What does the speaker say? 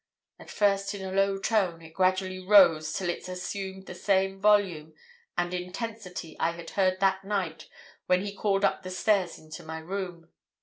At first in a low tone, it gradually rose till it assumed the same volume and intensity I had heard that night when he called up the stairs into my room.